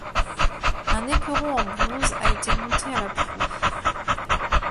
Un éperon en bronze a été monté à la proue.